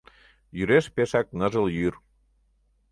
Йӱреш пешак ныжыл йӱр.